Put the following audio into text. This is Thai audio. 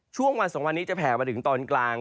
ช่วงวัน๒วันนี้จะแผ่มาถึงตอนกลาง